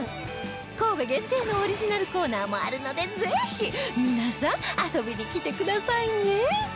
神戸限定のオリジナルコーナーもあるのでぜひ皆さん遊びに来てくださいね